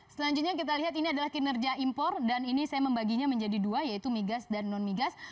selanjutnya kita lihat ini adalah kinerja impor dan ini saya membaginya menjadi dua yaitu migas dan non migas